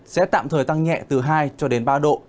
sẽ tạm thời tăng nhẹ từ hai cho đến ba độ